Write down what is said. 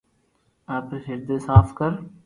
آپري ھردي صاف ڪر